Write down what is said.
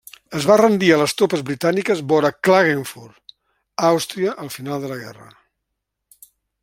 Es va rendir a les tropes britàniques vora Klagenfurt, Àustria al final de la guerra.